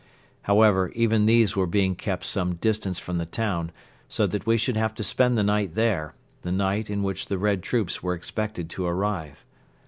However, even these were being kept some distance from the town so that we should have to spend the night there, the night in which the Red troops were expected to arrive.